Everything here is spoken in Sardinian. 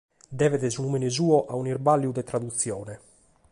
Devet su nùmene suo a un’isbàgliu de tradutzione.